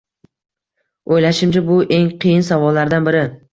Oʻylashimcha, bu eng qiyin savollardan biri.